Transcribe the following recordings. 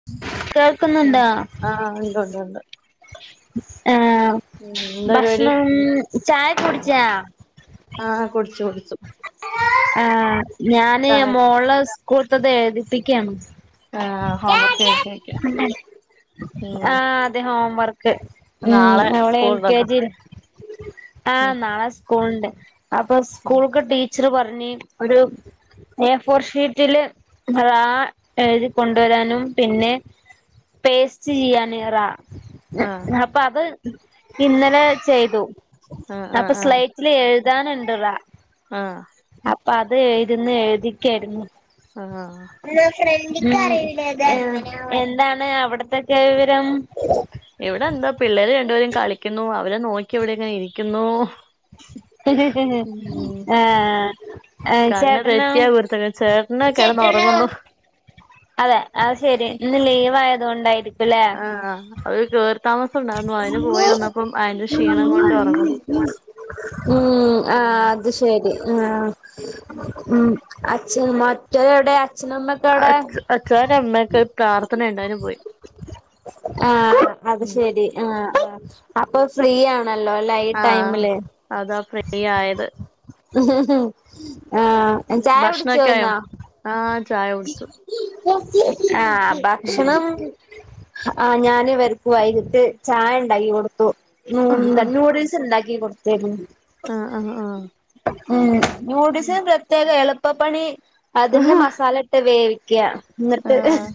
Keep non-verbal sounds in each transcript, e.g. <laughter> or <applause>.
<unintelligible> ഉം ആഹ് ഉണ്ട് ഉണ്ട് ഉണ്ട് ഏഹ് ഉം എന്താ പരിപാടി ഭഷ്ണം ചായക്കുടിച്ചാ ആഹ് കുടിച്ചു കൊടിച്ചു ആഹ് ഞാന് മോള സ്കൂൾത്തത് എഴ്തിപ്പിക്ക്യാണ് ആഹ് ഹോം വർക്കായിക്കായിക്ക്യ ആഹ് അതെ ഹോംവർക്ക് നാളെ ഉം അവളെ എൽ കെ സ്കൂളുണ്ടല്ലോ ജി ആഹ് ഉം നാളെ സ്കൂൾണ്ട് അപ്പൊ ഉം സ്കൂൾക്ക് ടീച്ചറ് പറഞ്ഞ് ഒരു എഫോർഷീറ്റില് ആഎഴ്തി കൊണ്ടുവരാനും പിന്നെ പേസ്റ്റ് ചിയ്യാന് റാ ആഹ് അപ്പൊ അത് ഇന്നലെ ചെയ്തു ആഹ് ആഹ് അപ്പൊ സ്ലൈ റ്റ്ല് എഴ്താന്ണ്ട് റാ ആഹ് അപ്പാ അത് എയ്ദ്ന്ന് എഴ്തിക്ക്യാര്ന്നു ആഹ് ഉം എഹ് ഉം എന്താണ് അവ്ട്ത്തൊക്കെ വിവരം ഇവിടെണ്ട് പിള്ളേര് രണ്ട്പേരും കളിക്യുന്നു അവരെ നോക്കി ഇവിടെങ്ങനെ ഇരിക്യുന്നൂ ആഹ് ഏഹ് കണ്ണ് ചേട്ടനോ തെറ്റിയാ കുരുത്തക്കേട് ചേട്ടന് കിടന്നുറങ്ങുന്നു അതെ അത് ശെരി ഇന്ന് ലീവായ തോണ്ടയ്രിക്കുല്ലേ ആഹ് <unintelligible> ഉണ്ടായിരുന്നു അതിന് പോയി വന്നപ്പം അതിന്റെ ക്ഷീണം കൊണ്ട് ഉറങ്ങുന്നു ഉം ആഹ് ഉം അത് ശരി ആഹ് ഉം അച്ഛൻ മറ്റോരവ്ടെ അച് അച്ഛാര അമ്മേക്കെ പ്രാർത്ഥനേണ്ട് അയിന് പോയി ആഹ് അത് ഉം ശെരി ആഹ് ആഹ് അപ്പൊ ഫ്രീയാണ് നല്ലോലൈ ആഹ് ട്ടൈമില് അതാ ഫ്രീ ആയത് ആഹ് പിന്നെ ചായ കുടിച്ചോ ഭക്ഷണൊക്കെ ആയോ ഇന്ന് ആഹ് ചായ കുടിച്ചു ആഹ് ഉം ഭക്ഷ്ണം ആഹ് ഞാന് ഇവര്കുവായി ട്ട് ചായണ്ടാക്കി കൊടുത്തു ഉം ആഹ് ന്തനൂഡിൽസ്ണ്ടാക്കി കൊട്ത്തേകുന്നു ആഹ് ആഹ് ആഹ് ഉം ഉം നൂടിൽസ്ന് പ്രത്യേക എളുപ്പപ്പണി അതിന്റെ മസാലട്ട് വേവിക്ക്യാ ന്നിട്ട് ആഹ്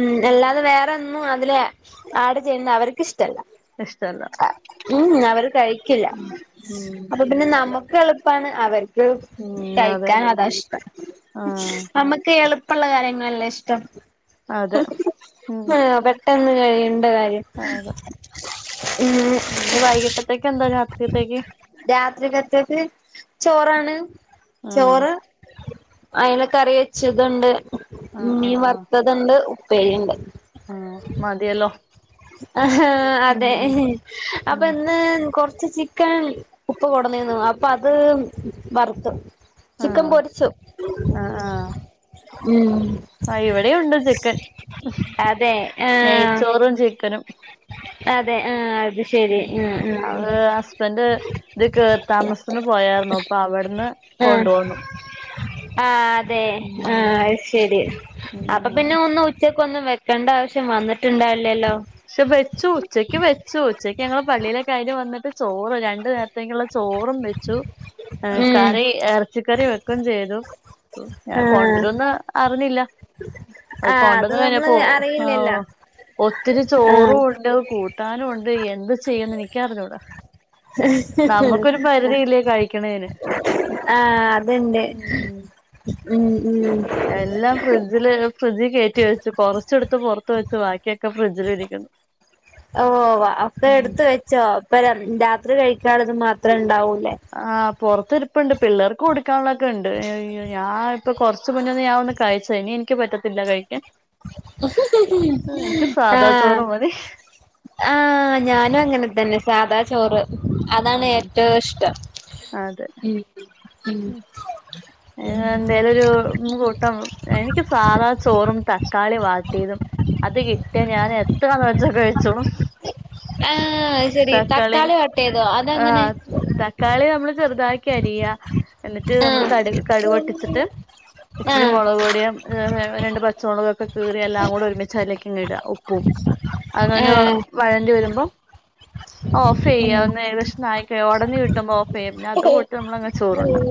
ഉം എല്ലാതെ വേറെന്നും അതില് ആട് ചെയ്ൺ അവര്ക്ക് ഇഷ്ട്ടല്ല ഇഷ്ടല്ല ഉം അവര് കഴിക്കില്ല ഉം അപ്പൊ പിന്നെ അല്ല നമുക്കെള് പാണ് അവര്ക്ക് ഉം അതെ കഴിക്കാൻ അതെ അതാ ഇഷ്ടം ആഹ് നമ്ക്ക് എള് ഇപ്പള്ള കാര്യങ്ങൾല്ലേ ഇഷ്ടം അതെ മാപെട്ടെന്ന് കഴിയണ്ടകാര്യം ആതെ ഇന്ന വൈകിട്ടത്തേക്കെന്താ രാത്രികത്തേക്ക് രാത്രികത്തേക്ക് ചോറാണ് ചോറ് അയ്ലകറി വെച്ചത്ണ്ട് ആഹ് മീൻ ആഹ് ആഹ് വർത്തത്ണ്ട് ഉപേരിണ്ട് ആഹ് മതിയലോ ആഹാ അതെ ഉം അപന്ന് കൊർച്ച് ചി ക്കൻ ഉപ്പ കൊട്ന്നീന്നു അപ്പ അത് വറ്ത്തു ചിക്കൻ ആഹ് പൊരിച്ചു ആഹ് ആഹ് ഉം ആഹ് ഇവിടെയുണ്ട് ചിക്കൻ നെയ്ച്ചോറും ചിക്കനും അതെ ആഹ് അതെ ശരി ഉം ആഹ് അവ് ഹസ്ബൻ്റ് ദ്കേറിതാമസ്ത്തിന് പോയാർന്നു അപ്പാ അവട്ന്ന് ആഹ് ആഹ് ആഹ് അതെ ഉം ആഹ് അത് ശരി അപ്പൊ ഉം പിന്നെ ഒന്ന് ഉച്ചക്ക് ഒന്നും വെക്കേണ്ട ആവശ്യം വന്നിട്ടുണ്ടാവില്ലല്ലോ പക്ഷെ വെച്ചു ഉച്ചക്ക് വെച്ചു ഉച്ചക്ക് ഞങ്ങള് പള്ളിയിലെ കാര്യം വന്നിട്ട് ചോറ് രണ്ടു നേരത്തേക്കുള്ള ചോറും വെച്ചു ഏഹ് ഉം കറി എറച്ചിക്കറി വെക്കും ചെയ്തു ഞാൻ ആഹ് കൊണ്ടരുംന്ന് അറിഞ്ഞില്ല അത് ആഹ് കൊണ്ടന്ന് നമ്മള് കഴിഞ്ഞപ്പോ അറിയില്ലല്ലോ ആഹ് ഒത്തിരി ആഹ് ചോറും ഉണ്ട് കൂട്ടാനും ഉണ്ട് എന്ത് ചെയ്യന്ന് എനിക്കറിഞ്ഞൂട നമ്മുക്കൊരു പരിധി ഇല്ലേ കഴിക്കണേന് ആഹ് അതന്നെ ഉം ഉം ഉം എല്ലാം ഫ്രിഡ്ജില് ഫ്രിഡ്ജിൽ കയറ്റി വെച്ചു കുറച്ചെടുത്ത് പുറത്ത് വെച്ച് ബാക്കിയൊക്കെ ഫ്രിഡ്ജിലിരിക്കുന്നു ആഹ് ഒക്കെ ഉം എടുത്ത് വെച്ചോ അപ്പ ര രാത്രി കഴിക്കാള്ളത് മാത്രം ഇണ്ടാവൂലേ ആഹ് പുറത്തിരിപ്പ്ണ്ട് പിള്ളേർക്ക് കൊടുക്കാനുള്ളൊക്കെണ്ട് ഏഹ് ഞാൻ ഇപ്പൊ കൊറച്ച് മുന്നൊന്ന് ഞാൻ ഒന്ന് കഴിച്ച് ഇനി എനിക്ക് പറ്റത്തില്ല കഴിക്കാൻ എനിക്ക് സാധാ ആഹ് ചോറ് മതി ആഹ് ഞാനും അങ്ങനെ തന്നെ സാധാ ചോറ് അതാണ് ഉം ഏറ്റവും ഇഷ്ടം അതെ ഉം ഉം ഏഹ് എന്തോലൊരു കൂട്ടം എനിക്ക് സാധാ ചോറും തക്കാളി വാട്ടിയതും അത് കിട്ടിയ ഞാൻ എത്ര വട്ടോം കഴിച്ചോളും ഏഹ് അത് ശരി തക്കാളി വാട്ടിയതോ അതെങ്ങനെ ആഹ് തക്കാളി നമ്മള് ചെറുതാക്കി അരിയ എന്നിട്ട് നമ്മള് ആഹ് കടു കടുക്‌ പൊട്ടിച്ചിട്ട് ഇച്ചിരി മുളക് പൊടിയും ഏഹ് രണ്ട് പച്ചമുളകൊക്കെ കീറിയ എല്ലാം കൂടെ ഒരുമിച്ചതിലേക്ക് ഇങ്ങനെ ഇട ഉപ്പും അത് നല്ലോം ആഹ് വഴണ്ടി വരുമ്പം ഓഫ് ചെയ്യാം ഉം ഒന്ന് ഏകദേശം ഒന്നായൊക്കെ ഒടഞ്ഞ് കിട്ടുമ്പൊ ഓഫ് ചെയ്യാം അത് കൂട്ടി നമ്മളങ്ങനെ ചോറുണ്ണും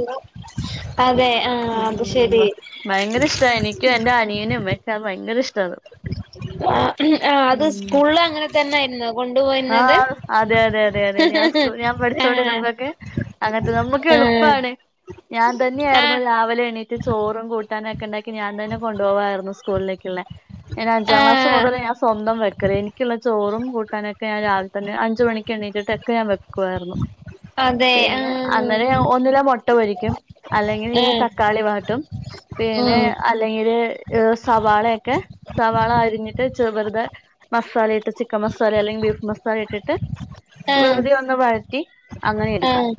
അതെ ആഹ് ഉം അത് ഉം ശരി വ ഭയങ്കര ഇഷ്ട എനിക്കും എന്റെ അനിയനും ഉമ്മയക്കെ അത് ഭയങ്കര ഇഷ്ട അത് ആഹ് ആഹ് അത് ഉം സ്കൂളില് അങ്ങനെ തന്നെയിരുന്നു ആഹ് അതെ അതെ അതെ അതെ ഞാൻ സ്കു ഞാൻ ആഹ് പഠിച്ചോണ്ടിന്നപൊക്കെ അങ്ങൻത്തത നമ്മക്ക് ആഹ് എളുപ്പാണ് ഞാൻ തന്നെയായിരുന്നു ആഹ് രാവിലെ എണീറ്റ് ചോറും കൂട്ടാനൊക്കെണ്ടാക്കി ഞാൻ തന്നെ കൊണ്ടുപോകായിരുന്നു സ്കൂളിലേക്കുള്ളെ ഞാൻ അഞ്ചാം ക്ലാസ് ആഹ് മുതല് ഞാൻ സ്വന്തം വെക്കല എനിക്കുള്ള ചോറും കൂട്ടാനൊക്കെ ഞാൻ രാവി തന്നെ അഞ്ച് മണിക്ക് എണീറ്റിട്ടൊക്ക ഞാൻ വെക്കുവായിരുന്നു അതെ പിന്നെ ആഹ് അന്നേരം ഞാൻ ഒന്നില മൊട്ട പൊരിക്കും അല്ലെങ്കിൽ ഈ ആഹ് തക്കാളി വാട്ടും ഉം പിന്നെ അല്ലെങ്കില് സവാളെ ഒക്കെ സവാള അരിഞ്ഞിട്ട് ചെർ വർതെ മസാലയിട്ട് ചിക്കൻ മസാല അല്ലെങ്കിൽ ബീഫ് മസാല ഇട്ടിട്ട് ആഹ് വെറുതെ ഒന്ന് വഴറ്റി അങ്ങനെ എടുക്കും ആഹ്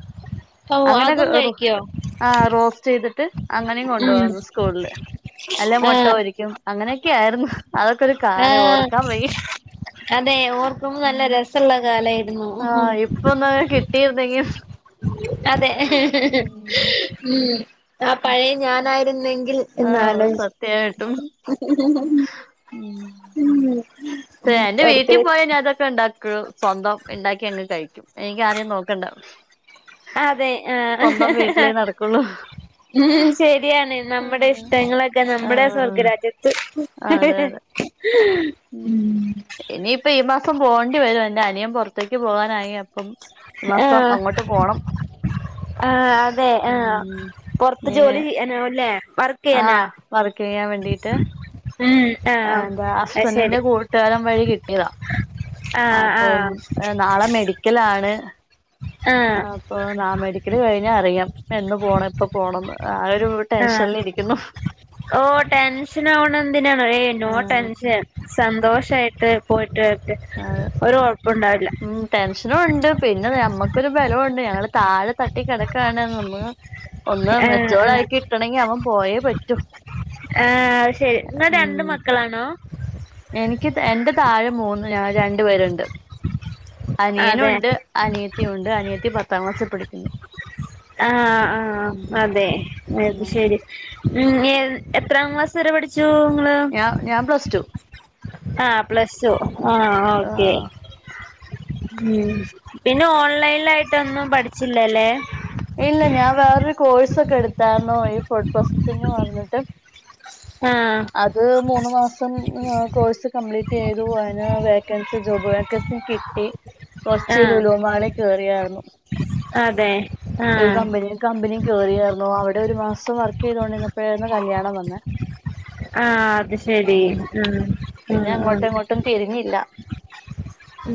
ഓഹ് അങ്ങനെ അതും ഒരു റു കഴിക്കോ ആഹ് റോസ്റ്റ് ചെയ്തിട്ട് അങ്ങനെയും കൊണ്ട് ഉം പോയിണ് സ്കൂളില് അല്ലെ മുട്ട ആഹ് പൊരിക്കും അങ്ങനെയൊക്കെ ആയിരുന്നു അതൊക്കെ ഒരു കാലം ആഹ് ഓർക്കാൻ വയ്യ അതെ ഓർക്കുമ്പോ നല്ല രസള്ള കാലായിരുന്നു ആഹ് ഇപ്പൊ ഒന്ന് കിട്ടിയിരുന്നെങ്കിൽ അതെ ഉം ആ പഴയ ഞാനായിരുന്നെങ്കിൽ ആഹ് എന്നാലോചി സത്യായിട്ടും ഉം <unintelligible> എന്റെ വീട്ടിൽ ഒരിക്കല് പോയ ഞാൻ അതൊക്കെ ഉണ്ടാക്കും സ്വന്തം ഇണ്ടാക്കി അങ്ങ് എനിക്ക് ആരെയും നോക്കണ്ട അതെ സ്വന്തം വീട്ടിലേ നടക്കുള്ളൂ ആ <unintelligible> ഉം ശരിയാണ് നമ്മുടെ ഇഷ്ടങ്ങളൊക്കെ നമ്മുടെ ആഹ് സ്വർഗരാജ്യത്ത് അതെ അതെ ഉം <unintelligible> ഇനിയിപ്പ ഈ മാസം പോണ്ടി വരും എന്റെ അനിയൻ പുറത്തേക്ക് പോകാനായിപ്പ അപ്പം ഈ മാസം അങ്ങോട്ട് പോണം ആ അതെ ആഹ ഉം പുറത്ത് ഏഹ് ജോലി ചെയ്യാനാവുല്ലേ വറ ആഹ് വർക്ക് ചെയ്യാൻ വേണ്ടീട്ട് ഉം ആ എന്താ ഹസ്ബൻറിിന്റെ കൂട്ടുകാരം വഴി കിട്ടിയതാ ആഹ് അപ്പം ആഹ് നാളെ മെഡിക്കലാണ് ആഹ് ആ ഇപ്പ നാ മെടിക്കൽ കഴിഞ്ഞ അറിയാം എന്ന് പോണം എപ്പ പോണംന്ന് ആ ഒരു ആഹ ടെൻഷനിലിരിക്കുന്നു ഓ ടെൻഷൻ ആവണ എന്തിനാ നോ ആഹ് ടെൻഷൻ സന്തോഷായിട്ട് പോയിട്ട് വരട്ടെ അതെ ഒരു കൊഴപ്പുണ്ടാവില്ല ഉം ടെൻഷനും ഉണ്ട് പിന്നെ നഞമ്മക്കൊരു ബലവുംണ്ട് ഞങ്ങള്ൾ താഴെ തട്ടി കിടക്കാണ് നമ്മ ഒന്ന് ആഹ് ആഹ് മെച്ചോറായിക്കിട്ടണമെങ്കി അവൻ പോയേ പറ്റു ആ ശരി ഇങ്ങ രണ്ട് മക്ക ക്കളാണോ എനിക്ക് എന്റെ താഴെ മൂന്ന് ഞ രണ്ട് പേരുണ്ട് അതെ അനിയനുണ്ട് അനിയത്തി ഉണ്ട് അനിയത്തി പത്താം ക്ലാസ്സിൽ പഠിക്കുന്നു ആഹ ആഹ അതെ അത് ഉം ശരി ഉ എത്രാം മാസം ത് വരെ പഠിച്ചു നിങ്ങള്ൾ ഞാൻ ഞാൻ പ്ലസ്ടു ആഹ് പ്ലസ് ടു ആഹ് ഓക്കേ ആഹ് ഉം പിന്നെ ഓൺലൈനിലായിട്ടൊന്നും പഠിച്ചില്ലല്ലേ ഇല്ല ഞാൻ വേറൊരു കോഴ്സ് ഒക്കെ എടുത്തായിുന്നോ ഈ ഫുഡ് പ്രോസസ്സിംഗന്ന് പറഞ്ഞിട്ട് ആഹ് അത് മൂന്ന് മാസം കോഴ്സ് കംപ്ലീറ്റ് ചെയ്തു അതിന്ന് വേക്കൻസി ജോബുവേക്കൻ കിട്ടി കൊച്ചി ആഹ് ലുലൂമാളി കേയറിയരുന്നു അതെ ഒരു ആഹ് കമ്പനി കമ്പനി കേയറിയായിരുന്നു അവിടെ ഒരു മാസം വർക്ക് ചെയ്തോണ്ടിന്നപ്പോഴന്ന കല്യാണം വന്നത് ആ അത് ശെരി ഉ ഉ പിന്നെ ഉ അങ്ങോട്ടും ഇങ്ങോട്ടും തിരിഞ്ഞില്ല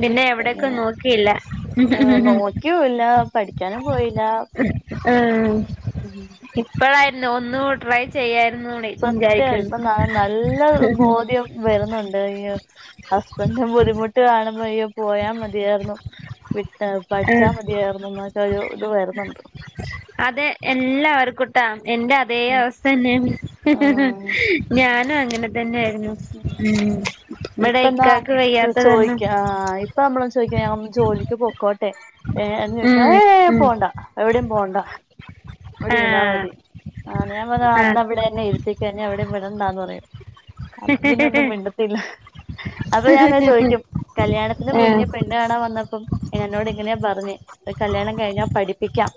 പിന്നെ എവിടൊക്കെ നോക്കിയില്ല ക്കുല്ല പഠിക്കാനും പോയില്ല ആ ഉം ഇപ്പഴായിരുന്നു ഒന്നുടി ട്രൈ ചെയ്യായി ര്യന്നുടി സത്യ ഇപ്പൊ ന നല്ല ബോധ്യം വരുന്നുണ്ട് ഈ ഹസ്ബൻഡും ബുദ്ധിമുട്ട് കാണുമ്പോയ പോയാ മതിയായിരുന്നു വിട്ട പഠിച്ചാൽ മതിയായിരുന്നു എന്നൊക്കെ ഒരു ഇത് വരുന്നുണ്ട് അതെ എല്ലാവർക്കൂട്ടാ എന്റെ അതേ അവസ്ഥ തന്നെ ആഹ് ഞാനും അങ്ങനെ തന്നൊയിരുന്നു ഉ ഇപ്പെന്താ ചോദിക്ക ആ ഇപ്പ നമ്മള ചോദിക്ക ഞ ജോലിക്ക് പോക്കോട്ടെ ഏന്ന് ഉം ചോദിച്ചാഏ ഉം പോണ്ട എവിടെയും പോണ്ട അവിടെ ഇരുന്നാ ആഹ് മതി ആ ഞാൻ പറഞ്ഞ ആഹ് അന്നവിടെ എന്നെ എരുത്തിക്കന്നെ അവിടെയും വിടണ്ടാന്ന് പറയും അപ്പം പിന്നെ ഒന്നും മിണ്ടത്തില്ല അപ്പൊ ഞാൻ ങ്ങനെചോദിക്കും കല്യാണത്തിന് മുന്നേ ആഹ് പെൺ ണ വന്നപ്പം എന്നോട് ഇങ്ങനെ പറഞ് കല്യാണം കഴിഞ്ഞാൽ പഠിപ്പിക്കാം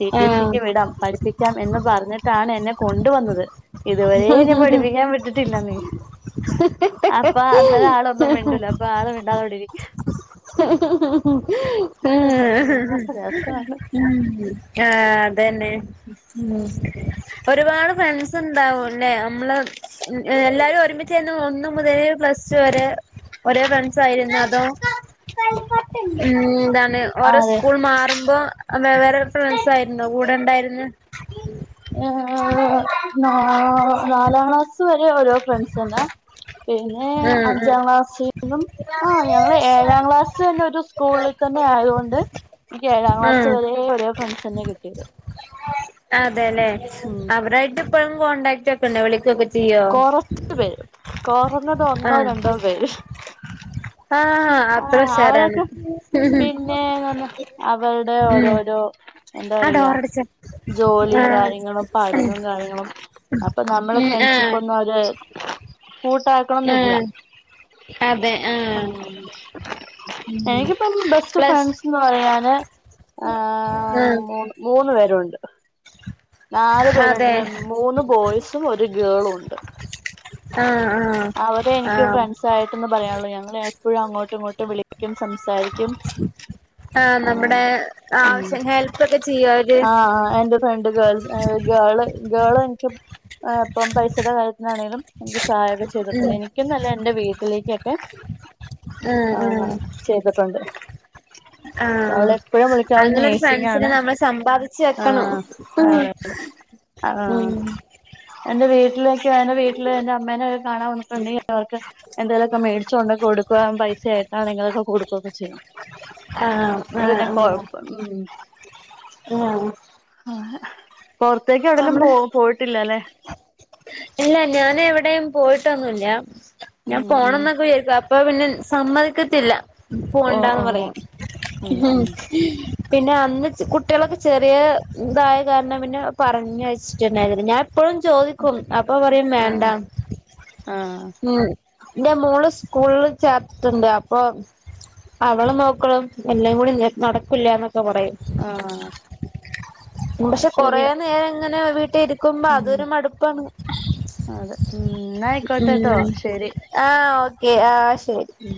ടിടിസിക്ക് വിടാം പഠിപ്പിക്കാം എന്ന് പറഞ്ഞിട്ടാണ് എന്നെ കൊണ്ട് വന്നത് ഇതുവരെ ന്നെ പഠിപ്പിക്കാൻ വിട്ടിട്ടില്ലന്നേ അപ്പ ആഹ് അന്നേരം ആളൊന്നും മിണ്ടുല അപ്പൊ ആള് മിണ്ടാതവിടിരിക്കും <unintelligible> രസാണ് ഉം ആഹ് അതന്നെ ഉം ഒരുപാട് ഫ്രണ്ട്സുണ്ടാവുല്ലെ അമ്മള് ഏഹ് എല്ലാരു ഒരുമിച്ചേന്ന് ഒന്നുമുതലേ പ്ലസ് ടു വരെ ഒരേ ഫ്രണ്ട്സായിരുന്നോ അതോ ഉം ഇതാണ് ആതെ ഓരോസ്കൂൾ മാറുമ്പോ വേവ്വേറെ ഫ്രണ്ട്സായിരുന്നോ കൂടെ ഉണ്ടായിരുന്നേ <unintelligible> നാ നാലാക്ലാസ് വരെ ഓരോ ഫ്രണ്ട്സ്ന്നാ പിന്നെ ഉം ഉം അഞ്ചാക്ലാസിന്നും ആഹ് ഞങ്ങള് ഏഴാക്ലാസന്നെ ഒരു സ്കൂളിൽ തന്നെ ആയതൊണ്ട് എനിക്ക് ഏഴാക്ലസുവരെ ഓരോ ഫ്രണ്ട്സന്നെ കിട്ടിയത് അതെല്ലെ ഉം അവരായിട്ട് ഇപ്പഴും കോണ്ടാക്ട് ഒക്കെ ഉണ്ടോ വിളിക്കൊക്കെ ചെയ്യോ കൊറച്ച് പേര് കൊറഞ്ഞത് ആഹ് ഒന്നോരണ്ടോ പേര് ആഹ് അത്ര ആഹ് ഉഷാറാണ് അവരൊക്കെ പിന്നെ അവരുടെ ഉം ഓരോരോ ആ എന്താറിയാ ഡോറടച്ചേ ജോലിയും ആഹ് കാര്യങ്ങളും പഠനം കാര്യങ്ങളും അപ്പൊ നമ്മള ഉം ആഹ് ഫ്രണ്ട്ഷിപ്പൊന്നു അവര് കൂട്ടാക്കണന്നില്ല ആഹ് അതെ ആഹ് ഉം എനിക്കിപ്പം ബെസ്റ്റ് പ്ലസ് ഫ്രണ്ട്സ്ന്ന് പറയാന് ആഹ് മൂന്നു പേരുണ്ട് നാലു അതെ പേരുണ്ട് മൂന്ന് ബോയ്സും ഒരു ഗേളുണ്ട് ആഹ് ആഹ് അവരെ എനിക്ക് ആഹ് ഫ്രണ്ട്സായിട്ടെന്ന് പറയാനുള്ളൂ ഞങ്ങളെപ്പോഴും അങ്ങോട്ടും ഇങ്ങോട്ടും വിളിക്കു ക്കും സംസാരിക്കും ആഹ് നമ്മടെ അങ്ങനെയൊക്കെ ഉം ആവശ്യ ഹെൽപ്പൊക്കെ ചെയ്യോ അവര് രണ്ട് ഗേൾ ഗേള് ഗേള് എനിക്കിപ ഇപ്പം പൈസയുടെ കാര്യത്തിനാണേലും ഇൻക്ക് സഹായൊക്കെ ചെയ്തിട്ടുണ്ട് ഉം എനിക്കെന്നല്ല എന്റെ വീട്ടിലേക്കൊക്കെ ആഹ് ആന്ന് ആഹ് ചെയ്തിട്ടുണ്ട് ഇപ്പം ആഹ് അവളെപ്പോഴും വിളിക്കും അവള് അങ്ങനൊരു ഫ്രണ്ട്സിനെ നേഴ്സിങ്ങാണ് നമ്മൾ സമ്പാദിച്ച് വെക്കണം ആഹ് ഉം അതെപോലെ ഉം ആഹ് എന്റെ വീട്ടിലേക്കോ എന്റെ വീട്ടില് എന്റെ അമ്മേനെ ഒക്കെ കാണാൻ <unintelligible> അവർക്ക് എന്തേലൊക്കെ മേടിച്ചുകൊണ്ട് കൊടുക്കുവാ പൈസ ആയിട്ടാണെങ്കിലൊക്കെ കൊടുക്കൊക്കെ ചെയ്യും ആഹ് അതോണ്ട് ആഹ് പിന്നെ ആഹ് കൊഴപ്പം ആഹ് ആഹേ പൊറത്തേക്ക് എവിടെലും നമ്മള് പോ പോയിട്ടില്ലല്ലെ ഇല്ല ഞനെവിടെയും പോയിട്ടൊന്നുല്ല ഞാൻ ഉം ഉം പോണൊന്നൊക്കെ വിചാരിക്കും അ അപ്പ പിന്നെ സമ്മയ്ക്കത്തില്ല ഓ പോണ്ടാന്ന് ഓ പറയും ഉം ഉം പിന്നെ അന്ന് കുട്ട്യളൊക്കെ ചെറിയ ഇതായ കാരണം പിന്നെ പറഞ്ഞയച്ചിട്ടുണ്ടായിരുന്നല്ല ഞാൻ ഇപ്പഴും ചോദിക്കും അപ്പൊ പറയും ആഹ് വേണ്ടാന്ന് ആഹ് ഉം ന്റെ മോള് സ്കൂളില് ചേർത്തിട്ടുണ്ട് അപ്പൊ അവളെ നോക്കണം എല്ലാം കൂടി നക്ക് നടക്കൂല്ല എന്നൊക്കെ പറയും ആഹ് കൂടെ ഷെ അത് ശരിയാ കൊറേനേരങ്ങനെ വീട്ടിരി ക്കുമ്പോ ഉം അതൊരുമടുപ്പാണ് അതെ ഉം എന്നാ ആയിക്കോട്ടെട്ടോ ഉം ശരി ആഹ് ഓക്കേ ആഹ് ശെരി ഉം